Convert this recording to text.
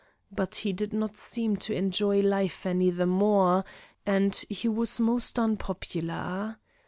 But he did not seem to enjoy life any the more, and he was most unpopular.